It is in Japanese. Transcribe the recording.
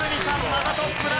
またトップだ。